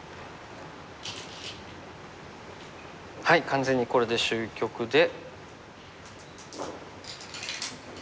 完全にこれで終局で。